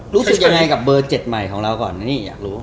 รู้สึกยังไงกับเบอร์๗ใหม่ของเราก่อนนี่อยากรู้